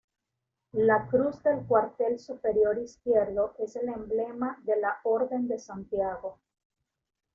La cruz del cuartel superior izquierdo es el emblema de la Orden de Santiago.